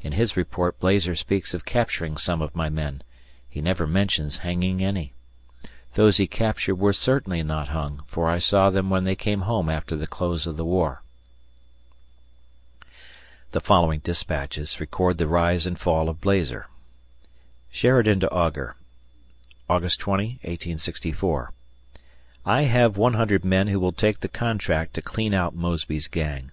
In his report Blazer speaks of capturing some of my men; he never mentions hanging any. Those he captured were certainly not hung, for I saw them when they came home after the close of the war. The following dispatches record the rise and fall of Blazer. [Sheridan to Augur] August 20, 1864. I have 100 men who will take the contract to clean out Mosby's gang.